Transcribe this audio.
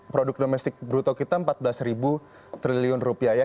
produk domestik bruto kita empat belas triliun rupiah ya